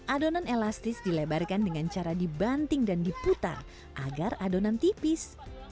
adonan elastis dilebarkan dengan cara dibanting dan diputar agar adonan tipis